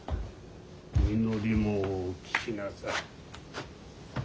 みのりも聞きなさい。